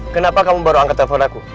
kenapa kamu baru angkat telepon aku